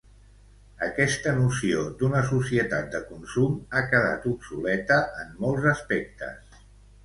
Aquesta noció d'una societat de consum ha quedat obsoleta en molts aspectes.